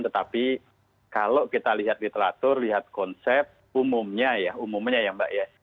tetapi kalau kita lihat literatur lihat konsep umumnya ya umumnya ya mbak ya